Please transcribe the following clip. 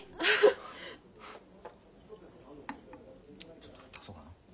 ちょっと足そうかな。